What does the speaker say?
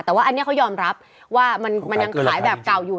แต่ว่าอันนี้เขายอมรับว่ามันยังขายแบบเก่าอยู่